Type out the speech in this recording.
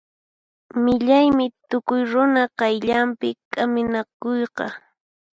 Millaymi tukuy runa qayllanpi k'aminakuyqa.